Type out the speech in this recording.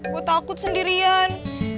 gue takut sendirian